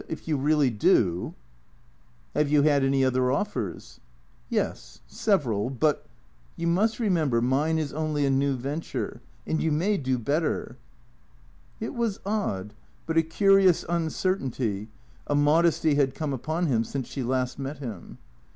If you really do "" Have you had any other offers ?"" Yes ; several. But "" You must remember mine is only a new venture. And you may do better " It was odd, but a curious uncertainty, a modesty had come upon him since she last met him.